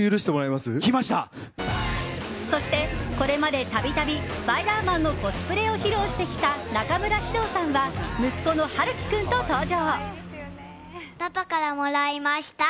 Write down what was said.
そして、これまで度々スパイダーマンのコスプレを披露してきた中村獅童さんは息子の陽喜君と登場。